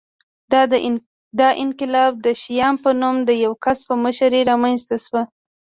دا انقلاب د شیام په نوم د یوه کس په مشرۍ رامنځته شو